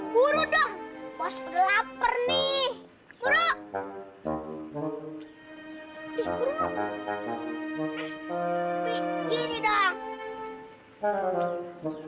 buru dong bos kelaper nih buru